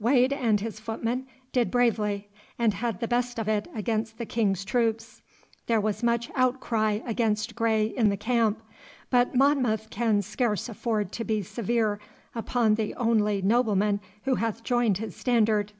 Wade and his footmen did bravely, and had the best of it against the King's troops. There was much outcry against Grey in the camp, but Monmouth can scarce afford to be severe upon the only nobleman who hath joined his standard.